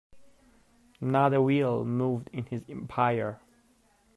Not a wheel moved in his empire.